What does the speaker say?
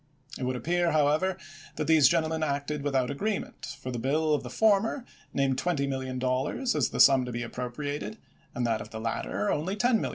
It would appear, however, that these gentlemen acted with out agreement, for the bill of the former named $20,000,000 as the sum to be appropriated, and that of the latter only $10,000,000.